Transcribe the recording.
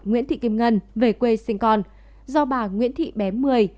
nguyễn thị kim ngân về quê sinh con do bà nguyễn thị bé mười